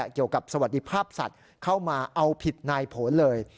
เกี่ยวกับสวัสดิพวาพสัตว์เข้ามาเอาผิดนายผลเลย